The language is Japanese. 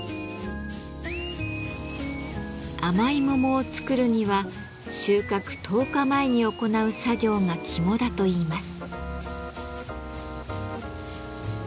甘い桃を作るには収穫１０日前に行う作業が肝だといいます。